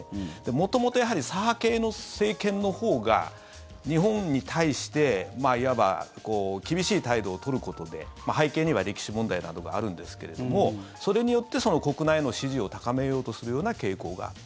元々やはり左派系の政権のほうが日本に対していわば厳しい態度を取ることで背景には歴史問題などがあるんですけれどもそれによって国内の支持を高めようとするような傾向があった。